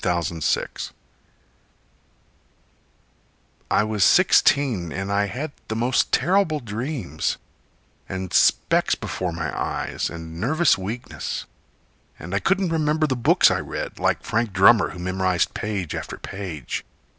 Zenas Witt I was sixteen, and I had the most terrible dreams, And specks before my eyes, and nervous weakness. And I couldn't remember the books I read, Like Frank Drummer who memorized page after page.